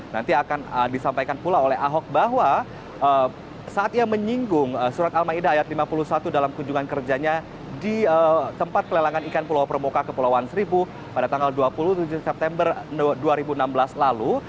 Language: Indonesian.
nanti akan disampaikan pula oleh ahok bahwa saat ia menyinggung surat al ⁇ maidah ⁇ ayat lima puluh satu dalam kunjungan kerjanya di tempat pelelangan ikan pulau permuka kepulauan seribu pada tanggal dua puluh tujuh september dua ribu enam belas lalu